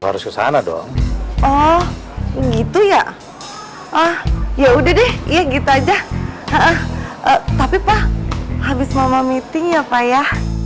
harus kesana dong oh gitu ya ah ya udah deh ya gitu aja tapi pak habis mama meeting ya pak ya